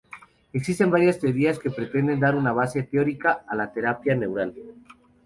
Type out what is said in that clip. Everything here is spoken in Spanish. Existen varias teorías que pretenden dar una base teórica a la terapia neural.